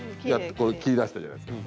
これ切りだしたじゃないですかね？